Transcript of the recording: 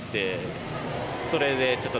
それでちょっと。